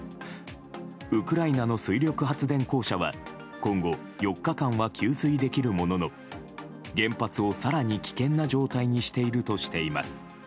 ウクライナの水力発電公社は今後、４日間は給水できるものの原発を更に危険な状態にしているとしています。